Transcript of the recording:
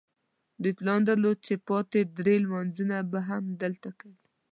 دوی پلان درلود چې پاتې درې لمونځونه به هم دلته کوي.